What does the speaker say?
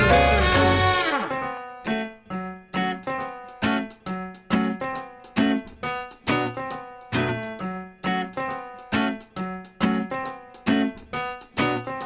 เอาล่ะพอครับ